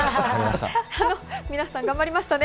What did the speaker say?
皆さん頑張りましたね。